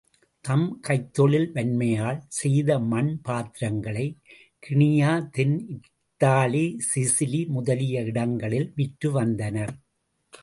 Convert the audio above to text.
தம் கைத்தொழில் வன்மையால் செய்த மண் பாத்திரங்களைக் கினியா, தென் இதாலி, சிசிலி முதலிய இடங்களில் விற்று வந்தனர்.